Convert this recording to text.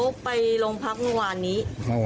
เขาไปโรงพักเมื่อวานนี้